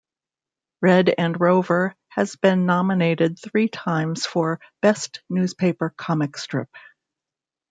Red and Rover has been nominated three times for Best Newspaper Comic Strip.